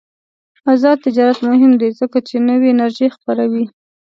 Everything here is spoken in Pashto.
آزاد تجارت مهم دی ځکه چې نوې انرژي خپروي.